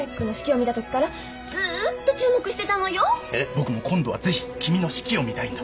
僕も今度はぜひ君の指揮を見たいんだ。